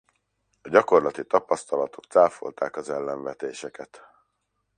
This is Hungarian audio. A gyakorlati tapasztalatok cáfolták az ellenvetéseket.